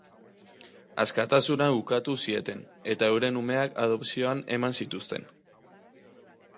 Askatasuna ukatu zieten eta euren umeak adopzioan eman zituzten.